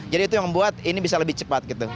jadi itu yang membuat ini bisa lebih cepat gitu